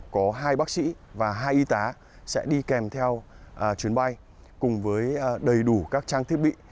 có hai bác sĩ và hai y tá sẽ đi kèm theo chuyến bay cùng với đầy đủ các trang thiết bị